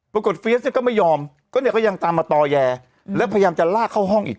เฟียสเนี่ยก็ไม่ยอมก็เนี่ยก็ยังตามมาต่อแยแล้วพยายามจะลากเข้าห้องอีก